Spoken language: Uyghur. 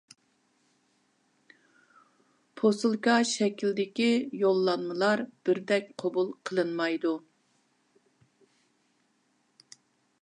پوسۇلكا شەكلىدىكى يوللانمىلار بىردەك قوبۇل قىلىنمايدۇ.